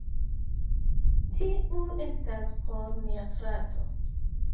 Tiu estas por nia frato